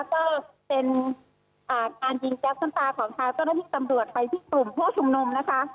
ก็เป็นการยิงแจ๊บซ้ำตาของทางต้นอาทิตย์ตำรวจไปที่กลุ่มผู้ชมนมนะคะ